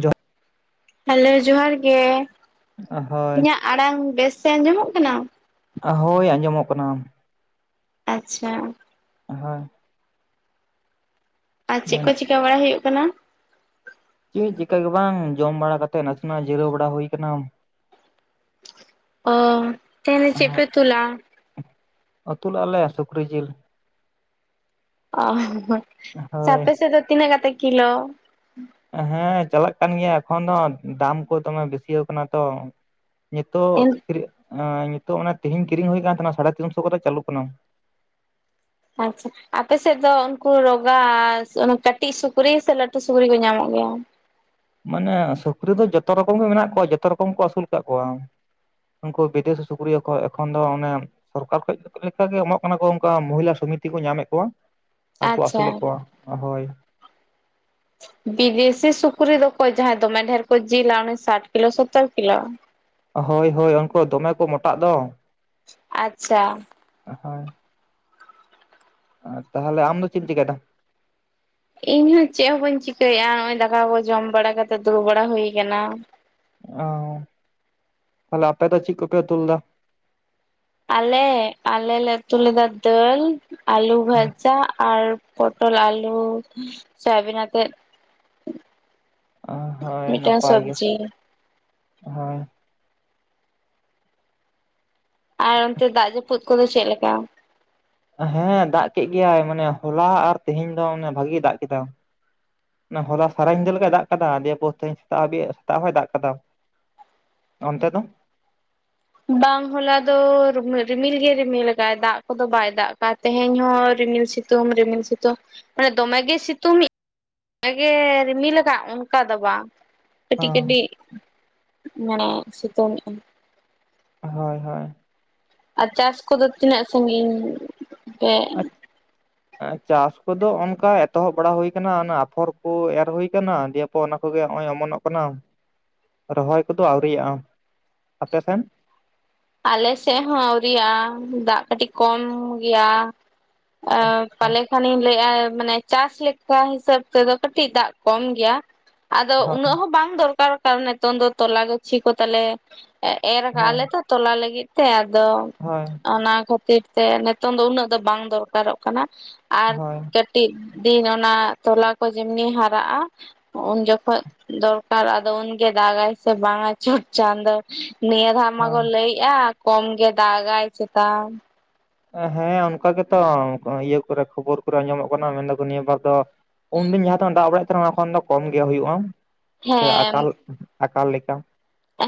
ᱡᱚ ᱦᱮᱞᱳᱣ ᱡᱚᱦᱟᱨ ᱜᱮ᱾ ᱦᱳᱭ ᱤᱧᱟᱹᱜ ᱟᱲᱟᱝ ᱵᱮᱥ ᱛᱮ ᱟᱸᱡᱚᱢᱚᱜ ᱠᱟᱱᱟ? ᱦᱳᱭ ᱟᱸᱡᱚᱢᱚᱜ ᱠᱟᱱᱟᱢ᱾ ᱟᱪᱪᱷᱟ᱾ ᱦᱚᱭ᱾ ᱟᱨ ᱪᱮᱫ ᱠᱚ ᱡᱟᱦᱟᱱᱟᱜ ᱪᱤᱠᱟᱹ ᱵᱟᱲᱟ ᱦᱩᱭᱩᱜ ᱠᱟᱱᱟ? ᱪᱮᱫ ᱪᱤᱠᱟ ᱜᱮ ᱵᱟᱝ, ‌ ᱡᱚᱢ ᱵᱟᱲᱟ ᱠᱟᱛᱮᱫ ᱱᱟᱥᱮᱱᱟᱜ ᱡᱤᱨᱟᱹᱣ ᱵᱟᱲᱟ ᱦᱩᱭ ᱟᱠᱟᱱᱟ᱾ ᱚ ᱛᱮᱦᱮᱱ ᱫᱚ ᱪᱮᱫ ᱯᱮ ᱩᱛᱩᱞᱟ? ᱟᱛᱩ ᱞᱮᱜᱼᱟ ᱞᱮ ᱥᱩᱠᱨᱤ ᱡᱤᱞ᱾ ᱚ ᱥᱮ ᱦᱳᱭ ᱟᱯᱮ ᱥᱮᱫ ᱫᱚ ᱛᱤᱱᱟᱹᱜ ᱠᱟᱛᱮ ᱠᱤᱞᱚ? ᱦᱮᱸ ᱪᱟᱞᱟᱜ ᱠᱟᱱ ᱜᱮᱭᱟ ᱮᱠᱷᱚᱱ ᱫᱚ ᱫᱟᱢ ᱠᱚ ᱫᱚᱢᱮ ᱵᱮᱥᱤᱭᱟ ᱠᱟᱱᱟ ᱛᱚ᱾ ᱱᱤᱛᱚᱜ [unintelligible] ᱦᱮᱸ ᱱᱤᱛᱚᱜ ᱚᱱᱟ ᱛᱮᱦᱤᱧ ᱠᱤᱨᱤᱧ ᱦᱩᱭ ᱠᱟᱱ ᱛᱟᱦᱮᱱᱟ ᱥᱟᱲᱦᱮ ᱛᱤᱱᱥᱚ ᱠᱷᱚᱡ ᱫᱚ ᱪᱟᱹᱞᱩᱜ ᱠᱟᱱᱟ᱾ ᱟᱪᱷᱟ ᱟᱯᱮᱥᱮᱫ ᱫᱚ ᱩᱱᱠᱩ ᱨᱚᱜᱟ ᱚᱱᱟ ᱠᱟᱹᱴᱤᱡ ᱥᱩᱠᱨᱤ ᱥᱮ ᱞᱟᱹᱴᱩ ᱥᱩᱠᱨᱤ ᱠᱚ ᱧᱟᱢᱚᱜ ᱜᱮᱭᱟ ᱢᱟᱱᱮ ᱥᱩᱠᱨᱤ ᱫᱚ ᱡᱚᱛᱚ ᱨᱚᱠᱚᱢ ᱜᱮ ᱢᱮᱱᱟᱜ ᱠᱚᱣᱟ ᱡᱚᱛᱚ ᱨᱚᱠᱚᱢ ᱠᱚ ᱟᱹᱥᱩᱞ ᱟᱠᱟᱫ ᱠᱚᱣᱟ᱾ ᱩᱱᱠᱩ ᱵᱤᱫᱮᱥᱤ ᱥᱩᱠᱨᱤ ᱦᱚᱸᱠᱚ ᱮᱠᱷᱚᱱ ᱫᱚ ᱚᱱᱮ ᱥᱚᱨᱠᱟᱨ ᱠᱷᱚᱡ ᱞᱮᱠᱟᱜᱮ ᱮᱢᱚᱜ ᱠᱟᱱᱟ ᱠᱚ ᱚᱱᱠᱟ ᱢᱚᱦᱤᱞᱟ ᱥᱚᱢᱤᱛᱤ ᱠᱚ ᱧᱟᱢᱮᱫ ᱠᱚᱣᱟ᱾ ᱟᱨ ᱠᱚ ᱟᱪᱪᱷᱟ ᱟᱹᱥᱩᱞᱮᱫ ᱠᱚᱣᱟ ᱦᱚᱭ᱾ ᱵᱤᱫᱮᱥᱤ ᱥᱩᱠᱨᱤ ᱫᱚᱠᱚ ᱡᱟᱦᱟᱸᱭ ᱫᱚᱢᱮ ᱰᱷᱮᱨ ᱠᱚ ᱡᱤᱞᱟ ᱩᱱᱤ ᱥᱟᱴ ᱠᱤᱞᱚ ᱥᱚᱛᱟᱨ ᱠᱤᱞᱚ ᱦᱚᱭ ᱦᱚᱭ ᱩᱱᱠᱩ ᱫᱚᱢᱮ ᱠᱚ ᱢᱚᱴᱟᱜ ᱫᱚ᱾ ᱟᱪᱷᱟ ᱟᱦᱟᱭ ᱛᱟᱦᱞᱮ ᱟᱢ ᱫᱚ ᱪᱮᱢ ᱪᱤᱠᱟᱭᱫᱟ? ᱤᱧ ᱦᱚᱸ ᱪᱮᱫ ᱦᱚᱸ ᱵᱟᱹᱧ ᱪᱤᱠᱟᱭᱮᱫᱼᱟ ᱱᱚᱜ ᱚᱭ ᱫᱟᱠᱟ ᱠᱚ ᱡᱚᱢ ᱵᱟᱲᱟ ᱠᱟᱛᱮᱜ ᱫᱩᱲᱩᱵ ᱵᱟᱲᱟ ᱦᱩᱭᱩ ᱟᱠᱟᱱᱟ᱾ ᱚ ᱛᱷᱟᱞᱮ ᱟᱯᱮ ᱫᱚ ᱪᱮᱫ ᱠᱚ ᱯᱮ ᱩᱛᱩᱞᱮᱫᱟ? ᱟᱞᱮ ᱟᱞᱮ ᱞᱮ ᱩᱛᱩ ᱞᱮᱫᱟ ᱫᱟᱹᱞ, ᱟᱞᱩ ᱵᱷᱟ. ᱡᱟ ᱟᱨ ᱯᱚᱴᱚᱞ ᱟᱞᱩ ᱥᱚᱭᱟᱵᱤᱱᱟᱛᱮ᱾ ᱢᱤᱫᱴᱟᱝ ᱥᱚᱵᱡᱤ ᱦᱚᱭ ᱟᱨ ᱚᱱᱛᱮ ᱫᱟᱜ ᱡᱟ. ᱯᱩᱫ ᱠᱚᱫᱚ ᱪᱮᱫ ᱞᱮᱠᱟ? ᱦᱮᱸ ᱫᱟᱜ ᱠᱮᱫ ᱜᱮᱭᱟᱭ ᱢᱟᱱᱮ ᱦᱚᱞᱟ ᱟᱨ ᱛᱮᱦᱮᱧ ᱫᱚ ᱚᱱᱟ ᱵᱷᱟᱜᱤ ᱜᱤ ᱫᱟᱜ ᱠᱮᱫᱟᱭ᱾ ᱚᱱᱟ ᱦᱚᱞᱟ ᱥᱟᱨᱟ ᱧᱤᱫᱟᱹ ᱞᱮᱠᱟᱭ ᱫᱟᱜ ᱟᱠᱟᱫᱟ ᱫᱤᱭᱮ ᱯᱚᱨᱛᱮ ᱥᱮᱛᱟᱜᱦᱟ. ᱵᱤᱡ ᱥᱮᱛᱟᱜ ᱦᱚᱸᱭ ᱫᱟᱜ ᱟᱠᱟᱫᱟ᱾ ᱚᱱᱛᱮ ᱫᱚ? ᱵᱟᱝ ᱦᱚᱞᱟ ᱫᱚ ᱨᱩᱢᱤᱞ ᱨᱤᱢᱤᱞ ᱜᱮ ᱨᱤᱢᱤᱞ ᱟᱠᱟᱫᱼᱟᱭ ᱫᱟᱜ ᱠᱚᱫᱚ ᱵᱟᱭ ᱫᱟᱜ ᱟᱠᱟᱫ᱾ ᱛᱮᱦᱮᱧ ᱦᱚᱸ ᱨᱤᱢᱤᱞ ᱥᱤᱛᱩᱝ ᱨᱤᱢᱤᱞ ᱥᱤᱛᱩᱝ ᱢᱟᱱᱮ ᱫᱚᱢᱮᱜᱮ ᱥᱤᱛᱩᱝᱤᱜ᱾ ᱟᱜᱮ ᱨᱤᱢᱤᱞ ᱟᱠᱟᱫ ᱚᱱᱠᱟ ᱫᱚ ᱵᱟᱝ᱾ ᱠᱟᱹᱴᱤᱡ ᱠᱟᱹᱴᱤᱡ ᱢᱟᱱᱮ ᱥᱤᱛᱩᱝᱮᱼᱟᱭ᱾ ᱦᱚᱭ ᱦᱚᱭ ᱟᱨ ᱪᱟᱥ ᱠᱚᱫᱚ ᱛᱤᱱᱟᱹᱜ ᱥᱟᱺᱜᱤᱧ ᱯᱮ [inaudible] ᱟᱨ ᱪᱟᱥ ᱠᱚᱫᱚ ᱚᱱᱠᱟ ᱮᱛᱚᱦᱚᱵ ᱵᱟᱲᱟ ᱦᱩᱭ ᱟᱠᱟᱱᱟ ᱚᱱᱟ ᱟᱯᱷᱚᱨ ᱠᱚ ᱮᱨ ᱦᱩᱭ ᱟᱠᱟᱱᱟ ᱫᱮᱭ ᱯᱚ ᱚᱱᱟ ᱠᱚᱜᱮ ᱱᱚᱜᱼᱚᱭ ᱚᱢᱚᱱᱚᱜ ᱠᱟᱱᱟ ᱨᱚᱦᱚᱭ ᱠᱚᱫᱚ ᱟᱹᱣᱨᱤᱭᱟᱜᱼᱟ ᱟᱯᱮᱥᱱ? ᱟᱞᱮ ᱥᱮᱫ ᱦᱚᱸ ᱟᱹᱣᱨᱟᱜᱼᱟ ᱫᱟᱜ ᱠᱟᱹᱴᱤᱡ ᱠᱚᱢ ᱜᱮᱭᱟ᱾ ᱟ ᱯᱟᱞᱮ ᱠᱷᱟᱱᱤᱧ ᱞᱟᱹᱭᱮᱫᱼᱟ ᱢᱟᱱᱮ ᱪᱟᱥᱞ ᱞᱮᱠ ᱠᱟ ᱦᱤᱥᱟᱹᱵ ᱛᱮᱫᱚ ᱠᱟᱹᱴᱤᱡ ᱫᱟᱜ ᱠᱚᱢ ᱜᱮᱭᱟ ᱟᱫᱚ ᱦᱳᱭ ᱩᱱᱟᱹᱜ ᱦᱚᱸ ᱵᱟᱝ ᱫᱚᱨ ᱟᱨ ᱠᱟ ᱚᱱᱮ ᱛᱚᱱᱫᱚ ᱛᱚᱞᱟ ᱜᱟᱪᱷᱤ ᱠᱚ ᱛᱮᱞᱮ ᱮᱨ ᱠᱟᱜ-ᱞᱮ ᱛᱚ, ᱛᱚᱞᱟ ᱞᱟᱹᱜᱤᱫ ᱛᱮ ᱟᱫᱚ ᱦᱚᱭ ᱚᱱᱟ ᱠᱷᱟᱹᱛᱤᱨ ᱛᱮ ᱱᱤᱛᱚᱝ ᱫᱚ ᱩᱱᱟᱹᱜ ᱫᱚ ᱵᱟᱝ ᱫᱚᱨᱠᱟᱨᱚᱜ ᱠᱟᱱᱟ ᱟᱨ ᱦᱳᱭ ᱠᱟ. ᱴᱤᱡ ᱫᱤᱱ ᱚᱱᱟ ᱛᱚᱞᱟ ᱠᱚ ᱡᱮᱢᱱᱤ ᱦᱟᱨᱟᱜᱼᱟ ᱩᱱ ᱡᱚᱠᱷᱚᱡ ᱫᱚᱨᱠᱟᱨ ᱟᱫᱚ ᱩᱱᱜᱮ ᱫᱟᱜᱟᱭ ᱥᱮ ᱵᱟᱝᱟ ᱪᱚᱴ ᱪᱟᱸᱫᱚ ᱱᱤᱭᱟᱹ ᱫᱷᱟᱣ ᱠᱚ ᱦᱳᱭ ᱞᱟᱹᱭᱮᱜᱼᱟ ᱠᱚᱢ ᱜᱮ ᱫᱟᱜᱟᱭ ᱪᱮᱛᱟ ᱦᱮᱸ ᱚᱱᱠᱟ ᱜᱮᱛᱚ ᱤᱭᱟᱹ ᱠᱚᱨᱮ ᱠᱷᱚᱵᱚᱨ ᱠᱚᱨᱮ ᱟᱸᱡᱚᱢᱚᱜ ᱠᱟᱱᱟ ᱢᱮᱱᱫᱟᱠᱚ ᱱᱤᱭᱟᱹ ᱵᱟᱨ ᱫᱚ ᱩᱱᱫᱤᱱ ᱡᱟᱦᱟᱸ ᱛᱤᱱᱟᱜ ᱫᱟᱜ ᱵᱟᱲᱟᱭᱮᱫ ᱛᱟᱦᱮᱱᱟ ᱚᱱᱟ ᱠᱷᱚᱱ ᱫᱚ ᱠᱚᱢ ᱜᱮ ᱦᱩᱭᱩᱜᱼᱟ ᱥᱮ ᱦᱮᱸ ᱟᱠᱟᱞ ᱟᱠᱟᱞ ᱞᱮᱠᱟ᱾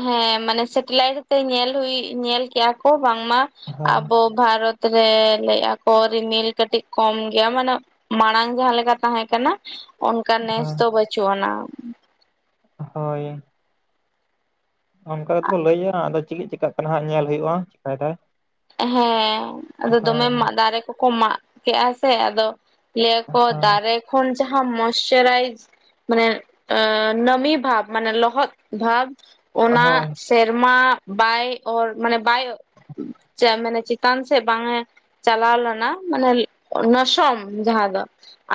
ᱦᱮᱸ ᱢᱟᱱᱮ ᱥᱮᱴᱮᱞᱟᱭᱤᱴ ᱛᱮ ᱧᱮᱞ ᱦᱩᱭ ᱧᱮᱞ ᱠᱮᱜᱼᱟ ᱠᱚ ᱵᱟᱝᱢᱟ ᱦᱳᱭ ᱟᱵᱚ ᱵᱷᱟᱨᱚᱛ ᱨᱮ ᱞᱟᱹᱭᱮᱼᱟ ᱠᱚ ᱨᱤᱢᱤᱞ ᱠᱟᱹᱴᱤᱡ ᱠᱚᱢ ᱜᱮᱭᱟ ᱢᱟᱱᱮ ᱢᱟᱲᱟᱝ ᱡᱟᱦᱟᱸᱞᱮᱠᱟ ᱛᱟᱦᱮᱸ ᱠᱟᱱᱟ ᱚᱱᱠᱟ ᱱᱮᱥ ᱦᱳᱭ ᱫᱚ ᱵᱟᱹᱪᱩᱜ ᱟᱱᱟ᱾ ᱦᱚᱭ ᱚᱱᱠᱟ ᱟᱫᱚ ᱠᱚ ᱞᱟᱹᱭᱟ ᱟᱫᱚ ᱪᱮᱫ ᱪᱮᱠᱟᱜ ᱠᱟᱱᱟ ᱦᱟᱸᱜ ᱧᱮᱞ ᱦᱩᱭᱩᱜᱼᱟ ᱪᱤᱠᱟᱭᱮᱫᱟᱭ᱾ ᱦᱮᱸ ᱟᱫᱚ ᱫᱚᱢᱮ ᱢᱟᱜ ᱫᱟᱨᱮ ᱠᱚᱠᱚ ᱢᱟᱜ ᱠᱮᱜᱼᱟ ᱥᱮ ᱟᱫᱚ ᱞᱟᱹᱭᱟᱠᱚ ᱦᱳᱭ ᱫᱟᱨᱮ ᱠᱷᱚᱱ ᱡᱟᱦᱟᱸ ᱢᱚᱥᱪᱟᱹᱨᱟᱭᱤᱡ ᱢᱟᱱᱮ ᱟ ᱱᱚᱢᱤ ᱵᱷᱟᱯ ᱢᱟᱱᱮ ᱞᱚᱦᱚᱫ ᱵᱷᱟᱯ ᱚᱱᱟ ᱦᱳᱭ ᱥᱮᱨᱢᱟ ᱵᱟᱭ ᱚᱨ ᱢᱟᱱᱮ ᱵᱟᱭ ᱪ ᱢᱟᱱᱮ ᱪᱮᱛᱟᱱ ᱥᱮᱫ ᱵᱟᱝᱮ ᱪᱟᱞᱟᱣ ᱞᱟᱱᱟ ᱢᱟᱱᱮ ᱱᱚᱥᱚᱢ ᱡᱟᱦᱟᱸ ᱫᱚ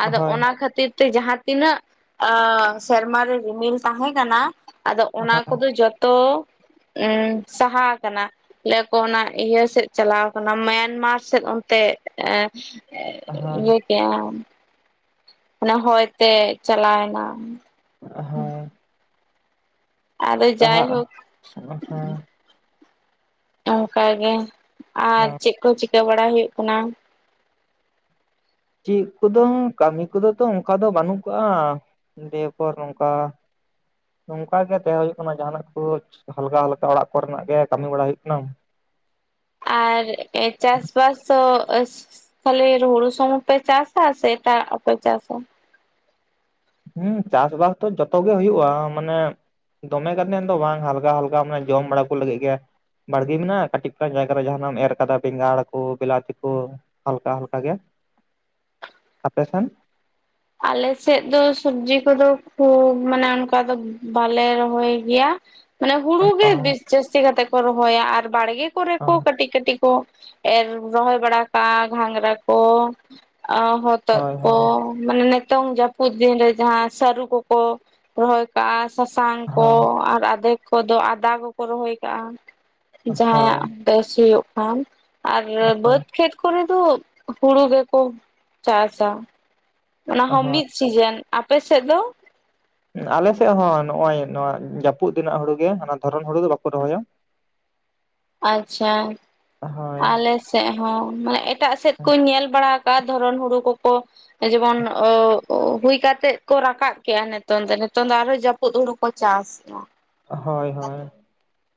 ᱟᱫᱚ ᱦᱳᱭ ᱚᱱᱟ ᱠᱷᱟᱹᱛᱤᱨ ᱛᱮ ᱡᱟᱦᱟᱸ ᱛᱤᱱᱟᱹᱜ ᱥᱮᱨᱢᱟᱨᱮ ᱨᱤᱢᱤᱞ ᱛᱟᱦᱮᱸ ᱠᱟᱱᱟ ᱟᱫᱚ ᱚᱱᱟ ᱠᱚᱫᱚ ᱡᱚᱛᱚ ᱩ ᱥᱟᱦᱟ ᱟᱠᱟᱱᱟ ᱞᱟᱹᱭ ᱟᱠᱚ ᱚᱱᱟ ᱤᱭᱟᱹ ᱥᱮᱫ ᱪᱟᱞᱟᱣ ᱟᱠᱟᱱᱟ ᱢᱟᱭᱟᱝᱢᱟᱨ ᱥᱮᱫ ᱚᱱᱛᱮ ᱮᱸ ᱦᱳᱭ ᱤᱭᱟᱹ ᱠᱮᱫᱼᱟ ᱢᱮᱱᱮ ᱦᱚᱭᱛᱮ ᱪᱟᱞᱟᱣ ᱮᱱᱟ ᱦᱳᱭ ᱟᱫᱚ ᱛᱟᱦᱟᱜ ᱡᱟᱭᱦᱳᱠ ᱦᱮᱸ ᱚᱱᱠᱟ ᱜᱮ ᱟᱨ ᱪᱮᱫ ᱠᱚ ᱪᱤᱠᱟᱹ ᱵᱟᱲᱟ ᱦᱩᱭᱩᱜ ᱠᱟᱱᱟ? ᱪᱮᱫ ᱠᱚᱫᱚ ᱠᱟᱹᱢᱤ ᱠᱚᱫᱚ ᱛᱚ ᱚᱱᱠᱟ ᱫᱚ ᱵᱟᱹᱱᱩᱜ ᱠᱟᱜᱼᱟ ᱫᱤᱭᱮ ᱯᱚᱨ ᱚᱱᱠᱟ ᱱᱚᱝᱠᱟ ᱜᱮ ᱛᱟᱦᱮᱸ ᱦᱳᱭᱩᱜ ᱠᱟᱱᱟ ᱡᱟᱦᱟᱱᱟᱜ ᱠᱩ ᱦᱟᱞᱠᱟ ᱦᱟᱞᱠᱟ ᱚᱲᱟᱜ ᱠᱚ ᱨᱮᱱᱟᱜ ᱜᱮ ᱠᱟᱹᱢᱤ ᱵᱟᱲᱟ ᱦᱩᱭᱩᱜ ᱠᱟᱱᱟ ᱟᱨ ᱪᱟᱥ ᱵᱟᱥ ᱫᱚ [unintelligible] ᱛᱟᱦᱮ ᱦᱩᱲᱩ ᱥᱚᱢᱩᱝ ᱯᱮ ᱪᱟᱥᱟ ᱥᱮ ᱮᱴᱟᱜ ᱦᱚᱸᱯᱮ ᱪᱟᱥᱟ? ᱦᱮᱸ ᱪᱟᱥᱵᱟᱥ ᱫᱚ ᱡᱚᱛᱚ ᱜᱮ ᱦᱩᱭᱩᱜᱼᱟ ᱢᱟᱱᱮ ᱫᱚᱢᱮ ᱠᱟᱛᱮᱱ ᱫᱚ ᱵᱟᱝ ᱦᱟᱞᱠᱟ ᱦᱟᱞᱠᱟ ᱢᱟᱱᱮ ᱡᱚᱢ ᱵᱟᱲᱟ ᱠᱚ ᱞᱟᱹᱜᱤᱫ ᱜᱮᱭᱟ ᱵᱟᱲᱜᱮ ᱢᱮᱱᱟᱜᱼᱟ ᱠᱟᱹᱴᱤᱡᱟᱝ ᱡᱟᱭᱜᱟ ᱨᱮ ᱡᱟᱦᱟᱸᱱᱟᱜ ᱮᱢ ᱮᱨ ᱠᱟᱫᱟ ᱵᱮᱸᱜᱟᱲ ᱠᱚ ᱵᱤᱞᱟᱛᱤ ᱠᱚ ᱦᱟᱞᱠᱟ ᱦᱟᱞᱠᱟ ᱜᱮ ᱟᱯᱮ ᱥᱮᱱ? ᱟᱞᱮᱥᱮᱫ ᱫᱚ ᱥᱚᱵᱡᱤ ᱠᱚᱫᱚ ᱠᱷᱩᱵ ᱢᱟᱱᱮ ᱚᱱᱠᱟ ᱫᱚ ᱵᱟᱞᱮ ᱨᱚᱦᱚᱭ ᱜᱮᱭᱟ ᱢᱟᱱᱮ ᱦᱳᱭ ᱦᱩᱲᱩᱜ ᱜᱮ ᱵᱤᱥ ᱡᱟᱹᱥᱛᱤ ᱠᱟᱛᱮ ᱠᱚ ᱨᱚᱦᱚᱭᱟ ᱟᱨ ᱵᱟᱲᱜᱮ ᱠᱚᱨᱮ ᱠᱚ ᱠᱟᱹᱴᱤᱡ ᱠᱟᱹᱴᱤᱡ ᱠᱚ ᱮᱨ ᱨᱚᱦᱚᱭ ᱵᱟᱲᱟ ᱠᱟᱜᱼᱟ ᱜᱷᱟᱸᱜᱽᱨᱟ ᱠᱚ ᱟ ᱦᱚᱛᱼᱼ ᱛᱚᱫ ᱦᱳᱭ ᱠᱚ ᱢᱟᱱᱮ ᱱᱤᱛᱚᱝ ᱡᱟᱹᱯᱩᱫ ᱫᱤᱱ ᱨᱮ ᱡᱟᱦᱟᱸ ᱥᱟᱹᱨᱩ ᱠᱚᱠᱚ ᱨᱚᱦᱚᱭ ᱠᱟᱜᱼᱟ ᱥᱟᱥᱟᱝ ᱦᱳᱭ ᱠᱚ ᱟᱨ ᱟᱫᱷᱮᱠ ᱠᱚᱫᱚ ᱟᱫᱟ ᱠᱚᱠᱚ ᱨᱚᱦᱚᱭ ᱠᱟᱜᱼᱟ ᱡᱟᱦᱟᱸᱭ ᱦᱳᱭ ᱟᱜ ᱵᱮᱥ ᱦᱩᱭᱩᱜ ᱠᱷᱟᱱ ᱟᱨ ᱦᱳᱭ ᱵᱟᱹᱫᱽ ᱠᱷᱮᱛ ᱠᱚᱨᱮ ᱫᱚ ᱦᱩᱲᱩ ᱜᱮᱠᱚ ᱪᱟᱥᱟ ᱚᱱᱟ ᱦᱚᱸ ᱦᱳᱭ ᱢᱤᱫ ᱥᱤᱡᱮᱱ ᱟᱯᱮ ᱥᱮᱫ ᱫᱚ? ᱟᱞᱮᱥᱮᱫ ᱦᱚᱸ ᱱᱚᱜᱼᱚᱭ ᱱᱚᱣᱟ ᱡᱟᱹᱯᱩᱫ ᱫᱤᱱᱟᱜ ᱦᱩᱲᱩ ᱜᱮ ᱫᱷᱚᱨᱚᱱ ᱦᱩᱲᱩ ᱫᱚ ᱵᱟᱠᱚ ᱨᱚᱦᱚᱭᱟ [inaudible] ᱟᱪᱪᱷᱟ ᱦᱳᱭ ᱟᱞᱮ ᱥᱮᱫ ᱦᱚᱸ ᱢᱟᱱᱮ ᱮᱴᱟᱜ ᱥᱮᱫ ᱠᱚᱧ ᱧᱮᱞ ᱵᱟᱲᱟ ᱟᱠᱟᱜᱼᱟ ᱫᱷᱚᱨᱚᱱ ᱦᱩᱲᱩ ᱠᱚᱠᱚ ᱡᱮᱢᱚᱱ ᱦᱩᱭ ᱠᱟᱛᱮᱜ ᱠᱚ ᱨᱟᱠᱟᱵ ᱠᱮᱜᱼᱟ ᱱᱤᱛᱚᱝ ᱫᱚ ᱱᱤᱛᱚᱝ ᱫᱚ ᱟᱨᱦᱚᱸ ᱡᱟᱹᱯᱩᱫ ᱦᱩᱲᱩ ᱠᱚ ᱪᱟᱥ [unintelligible] ᱦᱳᱭ ᱮᱫᱟ ᱦᱳᱭ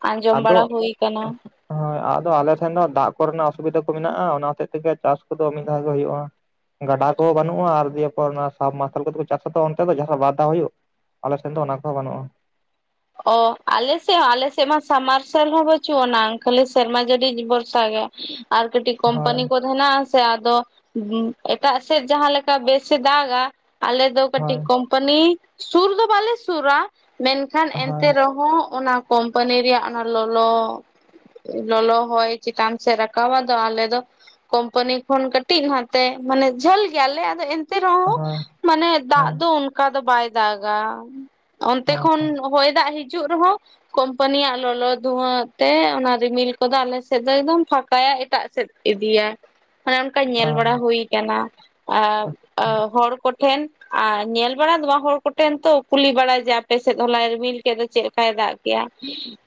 ᱟᱸᱡᱚᱢ ᱟᱫᱚ ᱵᱟᱲᱟ ᱦᱩᱭ ᱟᱠᱟᱱᱟ ᱦᱳᱭ ᱟᱫᱚ ᱟᱞᱮ ᱴᱷᱮᱱ ᱫᱚ ᱫᱟᱜ ᱠᱚᱨᱮᱱᱟᱜ ᱚᱥᱩᱵᱤᱫᱟ ᱠᱚ ᱢᱮᱱᱟᱜᱼᱟ ᱚᱱᱟ ᱦᱚᱛᱮᱜ ᱛᱮᱜᱮ ᱪᱟᱥ ᱠᱚᱫᱚ ᱢᱤᱫ ᱫᱷᱟᱣ ᱜᱮ ᱦᱩᱭᱩᱜᱼᱟ ᱜᱟᱰᱟ ᱠᱚ ᱵᱟᱹᱱᱩᱜᱼᱟ ᱟᱨ ᱫᱤᱭᱮᱯᱚᱨ ᱚᱱᱟ ᱥᱟᱵᱢᱥᱟᱞ ᱠᱚᱫᱚ ᱠᱚ ᱪᱟᱥᱟ ᱛᱚ ᱚᱱᱛᱮ ᱫᱚ ᱡᱟᱦᱟᱸ ᱵᱟᱨ ᱫᱷᱟᱣ ᱦᱩᱭᱩᱜ ᱟᱞᱮᱥᱮᱱ ᱫᱚ ᱚᱱᱟ ᱠᱚᱦᱚᱸ ᱵᱟᱹᱱᱩᱜᱼᱟ ᱚ ᱟᱞᱮ ᱥᱮᱫ ᱦᱚᱸ ᱟᱞᱮᱥᱮᱫ ᱢᱟ ᱥᱟᱢᱟᱨᱥᱟᱞ ᱦᱚᱸ ᱵᱟᱹᱪᱩᱜ ᱟᱱᱟ ᱠᱷᱟᱹᱞᱤ ᱥᱮᱨᱢᱟ ᱡᱲᱤ ᱵᱚᱨᱥᱟ ᱜᱮ ᱟᱨ ᱠᱟᱹᱴᱤᱠ ᱦᱳᱭ ᱠᱚᱢᱯᱟᱱᱤ ᱠᱚ ᱦᱮᱱᱟᱜᱼᱟ ᱥᱮ ᱟᱫᱚ ᱮᱴᱟᱜ ᱥᱮᱫ ᱡᱟᱦᱟᱸ ᱞᱮᱠᱟ ᱵᱮᱥᱮ ᱫᱟᱜᱟ ᱟᱞᱮ ᱟᱫᱚ ᱠᱟᱹᱴᱤᱡ ᱦᱳᱭ ᱠᱳᱢᱯᱟᱹᱱᱤ ᱥᱩᱨ ᱫᱚ ᱵᱟᱞᱮ ᱥᱩᱨᱟ ᱢᱮᱱᱠᱷᱟᱱ ᱮᱱᱛᱮ ᱦᱳᱭ ᱨᱮᱦᱚᱸ ᱦᱚᱸ ᱚᱱᱟ ᱠᱚᱢᱯᱟᱱᱤ ᱨᱮᱭᱟᱜ ᱚᱱᱟ ᱞᱚᱞᱚ ᱞᱚᱞᱚ ᱦᱚᱭ ᱪᱮᱛᱟᱱ ᱥᱮᱫ ᱨᱟᱠᱟᱵᱼᱟ ᱫᱚ ᱟᱞᱮ ᱫᱚ ᱠᱳᱢᱯᱟᱹᱱᱤ ᱠᱷᱚᱱ ᱠᱟᱹᱴᱤᱡ ᱱᱟᱛᱮ ᱢᱟᱱᱮ ᱡᱷᱟᱹᱞ ᱜᱮᱭᱟᱞᱮ ᱟᱫᱚ ᱮᱱᱛᱮ ᱮᱱᱛᱮ ᱨᱮᱦᱚᱸ ᱢᱟᱱᱮ ᱫᱟᱜ ᱦᱳᱭ ᱦᱳᱭ ᱫᱚ ᱚᱱᱠᱟ ᱫᱚ ᱵᱟᱭ ᱫᱟᱜᱟ ᱚᱱᱛᱮ ᱠᱷᱚᱱ ᱦᱚᱭ ᱫᱟᱜ ᱦᱤᱡᱩᱜ ᱨᱮᱦᱚᱸ ᱠᱳᱢᱯᱟᱱᱤᱭᱟᱜ ᱞᱚᱞᱚ ᱫᱷᱩᱣᱟᱹᱜ ᱛᱮ, ᱚᱱᱟ ᱨᱤᱢᱤᱞ ᱠᱚᱫᱚ ᱟᱞᱮᱥᱮᱫ ᱫᱚ ᱮᱠᱫᱚᱢ ᱯᱷᱟᱠᱟᱭᱟ ᱮᱴᱟᱜ ᱥᱮᱫ ᱤᱫᱤᱭᱟ, ᱚᱱᱮ ᱚᱱᱠᱟ ᱧᱮᱞ ᱵᱟᱲᱟ ᱦᱩᱭ ᱠᱟᱱᱟ᱾ ᱟᱨ ᱚ ᱦᱚᱲ ᱠᱚᱴᱷᱮᱱ ᱟᱨ ᱧᱮᱞ ᱵᱟᱲᱟ ᱱᱚᱣᱟ ᱦᱚᱲ ᱠᱚ ᱴᱷᱮᱱ ᱛᱚ ᱠᱩᱞᱤ ᱵᱟᱲᱟᱭ ᱡᱮ ᱟᱯᱮ ᱥᱮᱫ ᱦᱚᱞᱟᱭ ᱨᱤᱢᱤᱞ ᱠᱮᱫ ᱫᱚ ᱪᱮᱫ ᱞᱮᱠᱟᱭ ᱫᱟᱜ ᱠᱮᱫᱮᱜᱼᱟ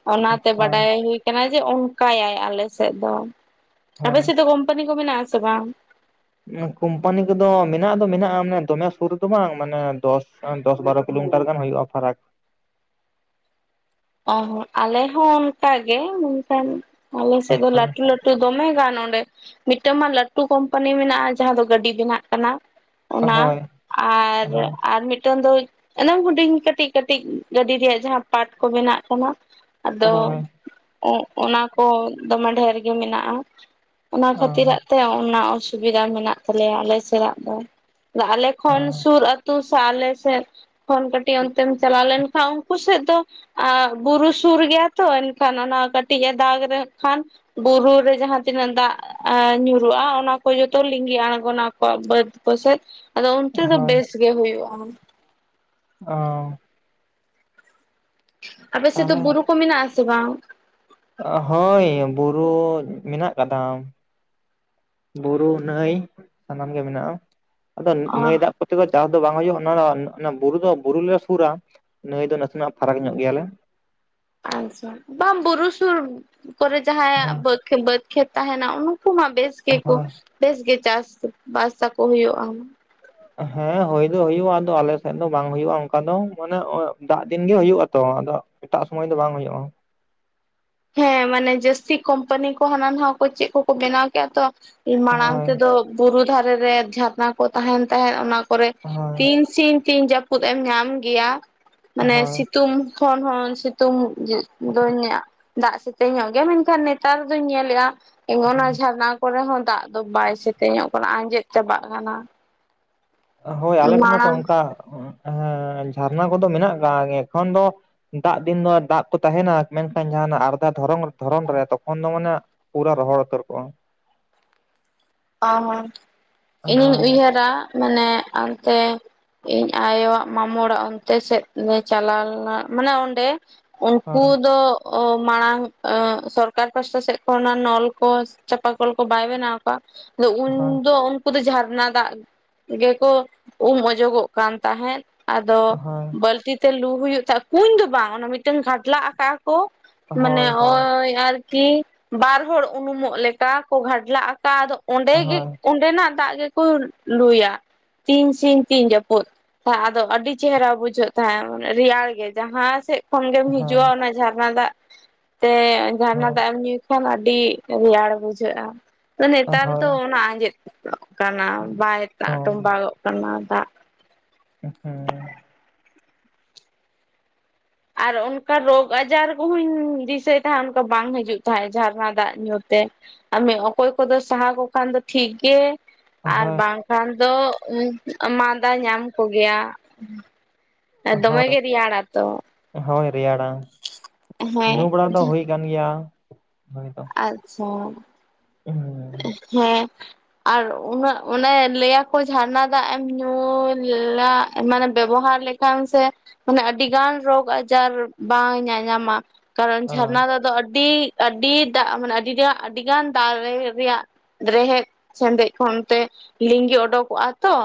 ᱚᱱᱟᱛᱮ ᱦᱳᱭ ᱵᱟᱰᱟᱭ ᱦᱩᱭ ᱠᱟᱱᱟ ᱡᱮ ᱚᱱᱠᱟᱭᱟᱭ ᱟᱞᱮ ᱥᱮᱫ ᱫᱚ᱾ ᱟᱯᱮ ᱦᱳᱭ ᱥᱮᱫ ᱫᱚ ᱠᱳᱢᱯᱟᱱᱤ ᱠᱚ ᱢᱮᱱᱟᱜ ᱟᱥᱮ ᱵᱟᱝ? ᱠᱚᱢᱯᱟᱱᱤ ᱠᱚᱫᱚ ᱢᱮᱱᱟᱜ ᱫᱚ ᱢᱮᱱᱟᱜᱼᱟ ᱢᱟᱱᱮ ᱫᱚᱢᱮ ᱥᱩᱨ ᱨᱮᱫᱚ ᱵᱟᱝ ᱢᱟᱱᱮ ᱫᱚᱥ ᱚᱱ ᱫᱚᱥ ᱵᱟᱨᱚ ᱠᱤᱞᱳᱢᱤᱴᱟᱨ ᱜᱟᱱ ᱦᱩᱭᱩᱜᱼᱟ ᱯᱷᱟᱨᱟᱠ᱾ ᱚᱦᱚ ᱟᱞᱮ ᱦᱚᱸ ᱚᱱᱠᱟ ᱜᱮ ᱢᱮᱱᱠᱷᱟᱱ ᱟᱞᱮ ᱥᱮᱫ ᱦᱳᱭ ᱫᱚ ᱞᱟᱸᱴᱩ ᱞᱟᱹᱴᱩ ᱫᱚᱢᱮ ᱜᱟᱱ ᱚᱸᱰᱮ ᱢᱤᱫᱴᱟᱝ ᱢᱟ ᱞᱟᱹᱴᱩ ᱠᱳᱢᱯᱟᱱᱤ ᱢᱮᱱᱟᱜᱼᱟ, ᱡᱟᱦᱟᱸ ᱫᱚ ᱜᱟᱹᱰᱤ ᱵᱮᱱᱟᱜ ᱠᱟᱱᱟ᱾ ᱚᱱᱟ ᱦᱳᱭ ᱦᱳᱭ ᱟᱨ ᱟᱨ ᱢᱤᱫᱴᱟᱝ ᱫᱚ ᱮᱱᱮᱢ ᱦᱩᱰᱤᱧ ᱠᱟᱹᱴᱤᱡ ᱠᱟᱹᱴᱤᱡ ᱜᱟᱹᱰᱤ ᱨᱮᱭᱟᱜ ᱡᱟᱦᱟᱸ ᱯᱟᱴ ᱠᱚ ᱵᱮᱱᱟᱜ ᱠᱟᱱᱟ᱾ ᱟᱫᱚ ᱦᱳᱭ ᱚᱱᱟ ᱠᱚ ᱫᱚᱢᱮ ᱰᱷᱮᱨ ᱜᱮ ᱢᱮᱱᱟᱜᱼᱟ᱾ ᱚᱱᱟ ᱦᱳᱭ ᱠᱷᱟᱹᱛᱤᱨᱟᱜ ᱛᱮ ᱚᱱᱟ ᱚᱥᱩᱵᱤᱫᱷᱟ ᱢᱮᱱᱟᱜ ᱛᱟᱞᱮᱭᱟ ᱟᱞᱮ ᱥᱟᱞᱟᱜ ᱫᱚ᱾ ᱟᱞᱮ ᱠᱷᱚᱱᱚᱱ ᱥᱩᱨ ᱟᱹᱛᱩ ᱥᱮ ᱟᱞᱮ ᱥᱮᱫ ᱠᱷᱚᱱ ᱠᱟᱹᱴᱤᱡ ᱚᱱᱛᱮᱢ ᱪᱟᱞᱟᱣ ᱞᱮᱱᱠᱷᱟᱱ ᱦᱟᱹᱠᱩ ᱥᱮᱫ ᱫᱚ ᱵᱩᱨᱩ ᱥᱩᱨ ᱜᱮᱭᱟ ᱛᱚ ᱮᱱᱠᱷᱟᱱ ᱚᱱᱟ ᱠᱟᱹᱴᱤᱡ ᱮ ᱫᱟᱜᱽ ᱞᱮ ᱠᱷᱟᱱ ᱵᱩᱨᱩ ᱨᱮ ᱡᱟᱦᱟᱸ ᱛᱤᱱᱟᱹᱜ ᱫᱟᱜ ᱟ ᱧᱩᱨᱩᱜᱼᱟ ᱚᱱᱟ ᱠᱚ ᱡᱚᱛᱚ ᱞᱤᱸᱜᱤ ᱟᱬᱜᱚᱱᱟ ᱟᱠᱚᱣᱟᱜ ᱵᱟᱹᱫ ᱠᱚᱥᱮᱫ ᱟᱫᱚ ᱚᱱᱛᱮ ᱫᱚ ᱦᱳᱭ ᱵᱮᱥ ᱜᱮ ᱦᱩᱭᱩᱜᱼᱟ᱾ ᱚᱻ ᱟᱯᱮ ᱥᱮ ᱛᱚ ᱛᱟᱦᱚᱞᱮ ᱵᱩᱨᱩ ᱠᱚ ᱢᱮᱱᱟᱜ ᱟ ᱥᱮ ᱵᱟᱝ? ᱚ ᱦᱳᱭ ᱵᱩᱨᱩ ᱢᱮᱱᱟᱜ-ᱟ ᱠᱟᱫᱟ᱾ ᱵᱩᱨᱩ, ᱱᱟᱹᱭ ᱥᱟᱱᱟᱢ ᱜᱮ ᱢᱮᱱᱟᱜᱼᱟ, ᱟᱫᱚ ᱚ ᱱᱟᱹᱭ ᱫᱟᱜ ᱠᱚ ᱛᱮᱫᱚ ᱪᱟᱥ ᱫᱚ ᱵᱟᱝ ᱦᱩᱭᱩᱜᱼᱟ, ᱚᱱᱟ ᱚᱱᱟ ᱵᱩᱨᱩ ᱫᱚ ᱵᱩᱨᱩᱞᱮ ᱥᱩᱨᱟ ᱱᱟᱹᱭ ᱫᱚ ᱱᱟᱥᱮᱱᱟᱜ ᱯᱷᱟᱨᱟᱠ ᱧᱚᱜ ᱜᱮᱭᱟᱞᱮ᱾ ᱟᱪᱪᱷᱟ ᱵᱟᱝ ᱵᱩᱨᱩ ᱥᱩᱨ ᱠᱚᱨᱮ ᱡᱟᱦᱟᱸᱭᱟ ᱵᱟᱹᱫᱽ ᱜᱮ ᱵᱟᱹᱫᱽ ᱠᱷᱮᱛ ᱛᱟᱦᱮᱱᱟ, ᱩᱱᱠᱩ ᱢᱟ ᱵᱮᱥ ᱜᱮᱠᱚ ᱦᱳᱭ ᱵᱮᱥ ᱜᱮ ᱪᱟᱥ ᱵᱟᱥᱟᱠᱚ ᱦᱩᱭᱩᱜᱼᱟ᱾ ᱦᱮᱸ ᱦᱩᱭ ᱫᱚ ᱦᱩᱭᱩᱜᱼᱟ, ᱟᱫᱚ ᱟᱞᱮ ᱥᱮᱫ ᱫᱚ ᱵᱟᱝ ᱦᱩᱭᱩᱜᱼᱟ, ᱚᱱᱠᱟ ᱫᱚ ᱢᱟᱱᱮ ᱫᱟᱜ ᱫᱤᱱ ᱜᱮ ᱦᱩᱭᱩᱜᱼᱟ ᱛᱚ, ᱟᱫᱚ ᱮᱴᱟᱜ ᱥᱩᱢᱟᱹᱭ ᱫᱚ ᱵᱟᱝ ᱦᱩᱭᱩᱜᱼᱟ᱾ ᱦᱮᱸ ᱢᱟᱱᱮ ᱡᱟᱹᱥᱛᱤ ᱠᱳᱢᱯᱟᱱᱤ ᱠᱚ ᱦᱟᱱᱟ ᱱᱚᱣᱟ ᱠᱚ ᱪᱮᱫ ᱠᱚᱠᱚ ᱵᱮᱱᱟᱣ ᱠᱮᱫᱼᱟ ᱛᱚ, ᱢᱟᱲᱟᱝ ᱦᱳᱭ ᱛᱮᱫᱚ ᱵᱩᱨᱩ ᱫᱷᱟᱨᱮ ᱨᱮ ᱡᱷᱟᱨᱱᱟ ᱠᱚ ᱛᱟᱦᱮᱱ ᱛᱟᱦᱮᱸᱫ ᱚᱱᱟ ᱠᱚᱨᱮ ᱦᱳᱭ ᱛᱤᱱ ᱥᱤᱧ ᱛᱤᱱ ᱡᱟᱹᱯᱩᱫ ᱮᱢ ᱧᱟᱢ ᱜᱮᱭᱟ ᱢᱟᱱᱮ ᱦᱳᱭ ᱥᱤᱛᱩᱝ ᱠᱷᱚᱱ ᱦᱚᱸ ᱥᱤᱛᱩᱝ ᱫᱟᱹᱧᱟᱜ ᱫᱟᱜ ᱥᱮᱛᱮᱧ ᱧᱚᱜ ᱜᱮᱭᱟ ᱢᱮᱱᱠᱷᱟᱱ ᱱᱮᱛᱟᱨ ᱫᱚᱧ ᱧᱮᱞᱮᱜᱼᱟ ᱮᱢᱚᱱᱟ ᱡᱷᱟᱨᱱᱟ ᱠᱚᱨᱮ ᱦᱚᱸ ᱫᱟᱜ ᱫᱚ ᱵᱟᱭ ᱥᱮᱛᱮᱧᱚᱜ ᱠᱟᱱᱟ ᱟᱸᱡᱮᱫ ᱪᱟᱵᱟᱜ ᱠᱟᱱᱟ᱾ ᱦᱳᱭ ᱟᱞᱮ ᱴᱷᱮᱱ ᱦᱚᱸᱛᱚ ᱢᱟᱲᱟᱝ ᱚᱱᱠᱟ ᱦᱮᱸ ᱡᱷᱟᱨᱱᱟ ᱠᱚᱫᱚ ᱢᱮᱱᱟᱜ ᱟᱠᱟᱟᱜ ᱮᱠᱷᱚᱱ ᱫᱚ ᱫᱟᱜ ᱫᱤᱱ ᱫᱚ ᱫᱟᱜ ᱠᱚ ᱛᱟᱦᱮᱱᱟ ᱢᱮᱱᱠᱷᱟᱱ ᱡᱟᱦᱟᱸᱱᱟᱜ ᱟᱨᱫᱷᱟ ᱫᱷᱚᱨᱚᱱ ᱫᱷᱚᱨᱚᱱ ᱨᱮ ᱛᱚᱠᱷᱚᱱ ᱫᱚ ᱢᱟᱱᱮ ᱯᱩᱨᱟᱹ ᱨᱚᱦᱚᱲ ᱩᱛᱟᱹᱨ ᱠᱚᱜᱼᱟ᱾ ᱚᱻ ᱤᱧᱤᱧ ᱦᱳᱭ ᱩᱭᱦᱟᱹᱨᱟ ᱢᱟᱱᱮ ᱚᱱᱛᱮ ᱤᱧ ᱟᱭᱳᱣᱟᱜ ᱢᱟᱢᱳ ᱚᱲᱟᱜ ᱚᱱᱛᱮ ᱥᱮᱫ ᱞᱮ ᱪᱟᱞᱟᱣ ᱞᱮᱱᱟ, ᱢᱟᱱᱮ ᱚᱸᱰᱮ᱾ ᱩᱱᱠᱩ ᱦᱳᱭ ᱫᱚ ᱚ ᱢᱟᱲᱟᱝ ᱥᱚᱨᱠᱟᱨ ᱯᱟᱥᱴᱟ ᱥᱮᱫ ᱠᱷᱚᱱᱚᱱᱟᱜ ᱱᱚᱞ ᱠᱚ ᱪᱟᱸᱯᱟ ᱠᱚᱞ ᱠᱚ ᱵᱟᱭ ᱵᱮᱱᱟᱣ ᱠᱟᱜ [unintelligible] ᱦᱳᱭ ᱛᱚ ᱩᱱᱠᱩ ᱫᱚ ᱡᱷᱟᱨᱱᱟ ᱫᱟᱜ ᱜᱮᱠᱚ ᱩᱢ ᱚᱡᱚᱜᱚᱜ ᱠᱟᱱ ᱛᱟᱦᱮᱸᱫ᱾ ᱟᱫᱚ ᱵᱟᱹᱞᱛᱤ ᱛᱮ ᱞᱩ ᱦᱩᱭᱩᱜ ᱛᱟᱭ ᱠᱩᱧ ᱫᱚ ᱵᱟᱝ ᱚᱱᱟ ᱢᱤᱫᱴᱮᱱ ᱜᱷᱟᱰᱞᱟᱜ ᱟᱠᱟᱜᱼᱟ ᱠᱚ, ᱢᱟᱱᱮ ᱦᱳᱭ ᱦᱳᱭ ᱚᱭ ᱟᱨᱠᱤ ᱵᱟᱨ ᱦᱚᱲ ᱩᱱᱩᱢᱚᱜ ᱞᱮᱠᱟ ᱠᱚ ᱜᱷᱟᱰᱞᱟᱜ ᱟᱠᱟᱜ ᱟᱫᱚ ᱚᱸᱰᱮ ᱜᱮ ᱦᱳᱭ ᱚᱸᱰᱮᱱᱟᱜ ᱫᱟᱜ ᱜᱮᱠᱚ ᱞᱩᱭᱟ ᱛᱤᱱ ᱥᱤᱧ ᱛᱤᱱ ᱡᱟᱹᱯᱩᱫ᱾ ᱟᱫᱚ ᱟᱹᱰᱤ ᱪᱮᱦᱨᱟ ᱵᱩᱡᱷᱟᱹᱜ ᱛᱟᱦᱮᱸᱫ ᱢᱟᱱᱮ ᱨᱮᱭᱟᱲ ᱜᱮ ᱡᱟᱦᱟᱸ ᱥᱮᱫ ᱡᱚᱠᱷᱚᱱ ᱜᱮᱢ ᱦᱳᱭ ᱦᱤᱡᱩᱜᱼᱟ, ᱦᱳᱭ ᱚᱱᱟ ᱡᱷᱟᱨᱱᱟ ᱫᱟᱜ ᱛᱮ ᱡᱷᱟᱨᱱᱟ ᱫᱟᱜ ᱮᱢ ᱧᱩ ᱮᱠᱷᱟᱱ ᱟᱹᱰᱤ ᱨᱮᱭᱟᱲ ᱵᱩᱡᱷᱟᱹᱜᱼᱟ᱾ ᱦᱳᱭ ᱱᱮᱛᱟᱨ ᱦᱳᱭ ᱫᱚ ᱚᱱᱟ ᱟᱸᱡᱮᱫᱚᱜ ᱠᱟᱱᱟ ᱵᱟᱭ ᱫᱟᱜ ᱦᱳᱭ ᱴᱚᱢᱵᱟᱜᱚᱜ ᱠᱟᱱᱟ ᱫᱟᱜᱼᱼ ᱦᱩ ᱸ ᱟᱨ ᱚᱱᱠᱟ ᱨᱳᱜᱽ ᱟᱡᱟᱨ ᱠᱚᱦᱚᱧ ᱫᱤᱥᱟᱹᱭ ᱛᱟᱦᱮᱸᱫ ᱚᱱᱠᱟ ᱵᱟᱝ ᱦᱤᱡᱩᱜ ᱛᱟᱦᱮᱸᱜ ᱡᱷᱟᱨᱱᱟ ᱫᱟᱜ ᱧᱩ ᱛᱮ᱾ ᱢᱟᱱᱮ ᱚᱠᱚᱭ ᱠᱚ ᱫᱚ ᱥᱟᱦᱟᱣ ᱠᱚ ᱠᱷᱟᱱ ᱫᱚ ᱴᱷᱤᱠ ᱜᱮ ᱟᱨ ᱦᱳᱭ ᱵᱟᱝᱠᱷᱟᱱ ᱫᱚ ᱢᱟᱫᱟ ᱧᱟᱢ ᱠᱚᱜᱮᱭᱼᱟ᱾ ᱮ ᱫᱚᱢᱮ ᱦᱳᱭ ᱜᱮ ᱨᱮᱭᱟᱲᱟ ᱛᱚ᱾ ᱦᱳᱭ ᱨᱮᱭᱟᱲᱼᱟ ᱦᱮᱸ ᱧᱩ ᱵᱟᱲᱟ ᱫᱚ ᱦᱩᱭ ᱠᱟᱱ ᱜᱮᱭᱟ ᱦᱳᱭ ᱛᱚᱼᱼᱼ ᱟᱪᱪᱷᱟᱼᱼ [inaudible] ᱦᱮᱸᱻ ᱟᱨ ᱩᱱᱟᱹᱜ ᱚᱱᱮ ᱞᱟᱹᱭᱟᱠᱚ ᱡᱷᱟᱨᱱᱟ ᱫᱟᱜ ᱮᱢ ᱧᱩ ᱞᱟ ᱢᱟᱱᱮ ᱵᱮᱵᱚᱦᱟᱨ ᱞᱮᱠᱷᱟᱱ ᱠᱷᱟᱱ ᱥᱮ ᱢᱟᱱᱮ ᱟᱹᱰᱤ ᱜᱟᱱ ᱨᱳᱜᱽ ᱟᱡᱟᱨ ᱵᱟᱝ ᱧᱟᱧᱟᱢᱟ᱾ ᱠᱟᱨᱚᱱ ᱡᱷᱟᱨᱱᱟ ᱫᱚᱜ ᱫᱚ ᱟᱹᱰᱤ ᱟᱹᱰᱤ ᱫᱟᱜ ᱢᱟᱱᱮ ᱟᱹᱰᱤ ᱟᱹᱰᱤ ᱜᱟᱱ ᱫᱟᱜ ᱨᱮ ᱨᱮᱭᱟᱜ ᱨᱮᱦᱮᱫ ᱥᱮᱸᱫᱮᱡ ᱠᱷᱚᱱ ᱛᱮ ᱞᱤᱸᱜᱤᱸ ᱚᱰᱚᱠᱚᱜᱼᱟ ᱛᱚ᱾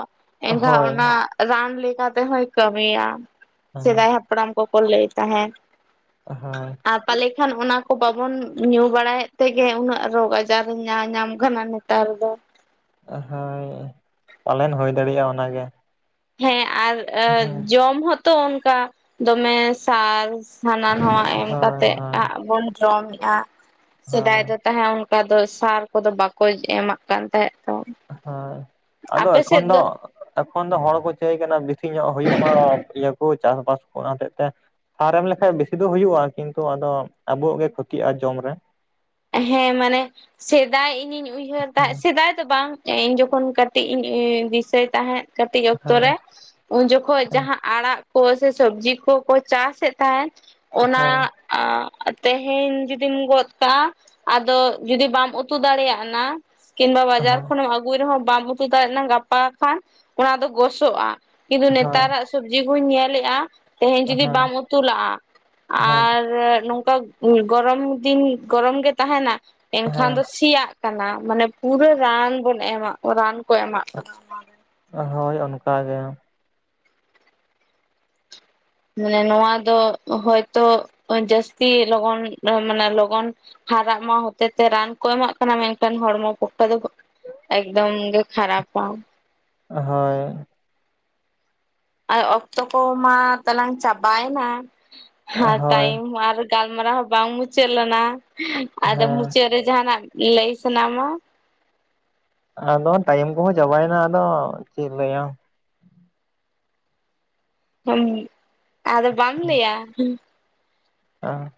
ᱮᱱᱠᱷᱟᱱ ᱦᱳᱭ ᱚᱱᱟ ᱨᱟᱱ ᱞᱮᱠᱟ ᱛᱮᱦᱚᱭ ᱠᱟᱹᱢᱤᱭᱼᱟ ᱥᱮᱫᱟᱭ ᱦᱟᱯ ᱦᱟᱯᱲᱟᱢ ᱠᱚ-ᱠᱚ ᱞᱟᱹᱭ ᱛᱟᱦᱮᱸᱫ ᱦᱚᱭ ᱟᱨ ᱛᱟᱦᱟᱞᱮ ᱠᱷᱟᱱ ᱚᱱᱟ ᱠᱚ ᱵᱟᱵᱚᱱ ᱧᱩ ᱵᱟᱲᱟᱭᱮᱫ ᱛᱮᱜᱮ ᱩᱱᱟᱹᱜ ᱨᱳᱜᱽ ᱟᱡᱟᱨᱼᱼᱼ ᱧᱟ ᱧᱟᱢ ᱠᱟᱱᱟ ᱱᱮᱛᱟᱨ ᱫᱚ! ᱦᱚᱭ ᱯᱟᱞᱮᱱ ᱦᱩᱭ ᱫᱟᱲᱮᱭᱟᱜᱼᱟ ᱚᱱᱟ ᱜᱮ ᱦᱮᱸ ᱟᱨ ᱟᱹ ᱡᱚᱢ ᱦᱚᱸᱛᱚ ᱚᱱᱠᱟ ᱫᱚᱢᱮ ᱥᱟᱨ ᱦᱟᱱᱟ ᱱᱟᱣᱟ ᱮᱢ ᱦᱳᱭ ᱠᱟᱛᱮᱜ ᱦᱳᱭ ᱟᱜ ᱵᱚᱱ ᱡᱚᱢᱮᱜᱼᱟ ᱥᱮᱫᱟᱭ ᱦᱳᱭ ᱫᱚ ᱛᱟᱦᱮᱸᱱ ᱚᱱᱠᱟ ᱫᱚ ᱥᱟᱨ ᱠᱚᱫᱚ ᱵᱟᱠᱚ ᱮᱢᱟᱜ ᱠᱟᱱ ᱛᱟᱦᱮᱸᱜ ᱛᱚ ᱦᱚᱭ, ᱟᱫᱚ ᱟᱯᱮ ᱥᱮᱫ ᱮᱠᱷᱚᱱ ᱫᱚ ᱮᱠᱷᱚᱱ ᱫᱚ ᱦᱚᱲ ᱠᱚ ᱪᱟᱹᱭ ᱠᱟᱱᱟ ᱵᱮᱥᱤ ᱧᱚᱜ ᱦᱩᱭᱩᱜᱼᱟ ᱢᱟ ᱤᱭᱟᱹ ᱠᱚ ᱪᱟᱥ-ᱵᱟᱥ ᱚᱱᱟ ᱦᱚᱛᱮᱜ ᱛᱮ ᱥᱟᱨ ᱮᱢ ᱞᱮᱠᱟᱱᱡ ᱵᱮᱥᱤ ᱫᱚ ᱦᱩᱭᱩᱜᱼᱟ ᱠᱤᱱᱛᱩ ᱟᱫᱚ ᱟᱵᱚᱣᱟᱜ ᱜᱮ ᱠᱷᱚᱛᱤᱜᱼᱟ ᱡᱚᱢ ᱨᱮ ᱦᱮᱸ ᱢᱟᱱᱮ ᱥᱮᱫᱟᱭ ᱤᱧᱤᱧ ᱩᱭᱦᱟᱹᱨ ᱦᱮᱸ ᱛᱟᱦᱮᱸᱫ ᱥᱮᱫᱟᱭ ᱫᱚ ᱵᱟᱝ ᱤᱧ ᱡᱚᱠᱷᱚᱱ ᱠᱟᱹᱴᱤᱡ ᱤᱧ ᱫᱤᱥᱟᱹᱭ ᱛᱟᱦᱮᱸᱫ ᱠᱟᱹᱴᱤᱡ ᱚᱠᱛᱚ ᱨᱮ ᱦᱮᱸ ᱩᱱ ᱡᱚᱠᱷᱚᱡ ᱦᱮᱸ ᱡᱟᱦᱟᱸ ᱟᱲᱟᱜ ᱠᱚ ᱥᱮ ᱥᱚᱵᱽᱡᱤ ᱠᱚ - ᱠᱚ ᱪᱟᱥᱮᱫ ᱛᱟᱦᱮᱸᱱ ᱚᱱᱟ ᱦᱮᱸ ᱟ ᱛᱮᱦᱮᱧ ᱡᱩᱫᱤᱢ ᱜᱚᱫ ᱠᱟᱜᱼᱟᱼᱼᱼ ᱟᱫᱚ ᱡᱩᱫᱤ ᱵᱟᱢ ᱩᱛᱩ ᱫᱟᱲᱮᱭᱟᱜᱼᱟ ᱱᱟ ᱠᱤᱢᱵᱟ ᱵᱟᱡᱟᱨ ᱦᱮᱸ ᱠᱷᱚᱱᱮᱢ ᱟᱹᱜᱩᱭ ᱨᱮᱦᱚᱸ ᱵᱟᱢ ᱩᱛᱩ ᱪᱤᱫᱮᱭᱟᱜ ᱱᱟ ᱜᱟᱯᱟ ᱠᱷᱟᱱ ᱚᱱᱟ ᱫᱚ ᱜᱚᱥᱚᱜᱼᱟ ᱠᱤᱱᱛᱩ ᱱᱮᱛᱟᱨᱟᱜ ᱥᱚᱵᱽᱡᱤ ᱠᱩᱧ ᱧᱮᱞᱮᱫᱼᱟ ᱛᱮᱦᱮᱧ ᱡᱩᱫᱤ ᱦᱮᱸ ᱵᱟᱢ ᱩᱛᱩ ᱞᱟᱜᱼᱟ ᱦᱮᱸ ᱟᱨ ᱱᱚᱝᱠᱟ ᱜᱚᱨᱚᱢ ᱫᱤᱱ ᱜᱚᱨᱚᱢ ᱜᱮ ᱛᱟᱦᱮᱱᱟ ᱮᱱᱠᱷᱟᱱ ᱫᱚ ᱦᱮᱸ ᱥᱤᱭᱟᱜᱼᱼ ᱠᱟᱱᱟ ᱢᱟᱱᱮ ᱯᱩᱨᱟᱹ ᱨᱟᱱ ᱵᱚᱱ ᱮᱢᱟᱜ ᱨᱟᱱ ᱠᱚ ᱮᱢᱟᱜ ᱠᱟᱱᱟ᱾ ᱦᱳᱭ, ᱚᱱᱠᱟ ᱜᱮ! ᱢᱟᱱᱮ ᱱᱚᱣᱟ ᱫᱚ ᱦᱚᱭᱛᱚ ᱡᱟᱹᱥᱛᱤ ᱞᱚᱜᱚᱱ ᱢᱟᱱᱮ ᱞᱚᱜᱚᱱ ᱦᱟᱨᱟᱜ ᱢᱟ ᱦᱚᱛᱮᱛᱮ ᱨᱟᱱ ᱠᱚ ᱮᱢᱟᱜ ᱠᱟᱱᱟ ᱢᱮᱱᱠᱷᱟᱱ ᱦᱚᱲᱢᱚ [unintelligible] ᱫᱚ ᱮᱠᱫᱚᱢ ᱜᱮ ᱠᱷᱟᱨᱟᱯᱟ ᱦᱳᱭ ᱟᱨ ᱚᱠᱛᱚ ᱠᱚᱢᱟ ᱛᱟᱞᱟᱝ ᱪᱟᱵᱟᱭᱱᱟ ᱟᱨ ᱦᱳᱭ ᱴᱟᱭᱤᱢ ᱟᱨᱼᱼᱼᱼ ᱜᱟᱞᱢᱟᱨᱟᱣ ᱦᱚᱸ ᱵᱟᱝ ᱢᱩᱪᱟᱹᱫ ᱞᱮᱱᱟ ᱟᱫᱚ ᱦᱮᱸ ᱢᱩᱪᱟᱹᱫ ᱨᱮ ᱡᱟᱦᱱᱟᱼᱜ ᱞᱟᱹᱭ ᱥᱟᱱᱟᱢᱟᱼᱼ ᱟᱫᱚ ᱴᱟᱭᱤᱢ ᱠᱚᱦᱚᱸ ᱪᱟᱵᱟᱭᱱᱟ ᱟᱫᱚ ᱪᱮᱫ ᱞᱟᱹᱭᱟᱢ ᱦᱩᱸ ᱟᱫᱚ ᱵᱟᱝ ᱞᱮᱭᱟ? ᱚ